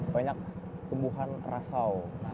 banyak tumbuhan rasau